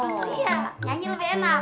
nyanyi lebih enak